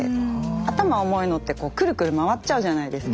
頭重いのってくるくる回っちゃうじゃないですか。